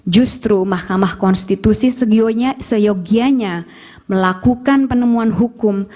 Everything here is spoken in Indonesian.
justru mahkamah konstitusi seyogianya melakukan penemuan hukum